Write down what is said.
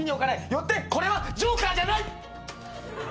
よってこれはジョーカーじゃない！